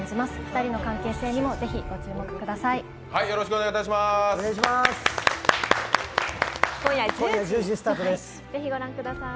２人の関係性にもぜひご注目ください。